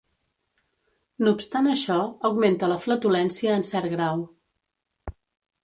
No obstant això, augmenta la flatulència en cert grau.